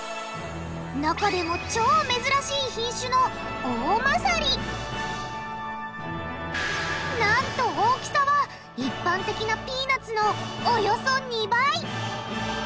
中でも超珍しい品種のなんと大きさは一般的なピーナツのおよそ２倍！